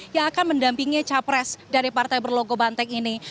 yang akan mendampingi capres dari partai berlogo banteng ini